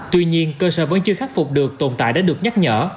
tuy nhiên cơ sở vẫn chưa khắc phục được tồn tại đã được nhắc nhở